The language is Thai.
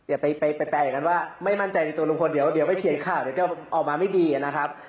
อย่าไปแปลอย่างนั้นว่าไม่มั่นใจในตัวลุงพลเดี๋ยวไปเขียนข่าวเดี๋ยวจะออกมาไม่ดีนะครับ